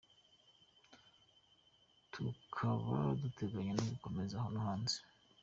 Tukaba duteganya no gukomeza no hanze.